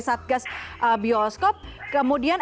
satgas bioskop kemudian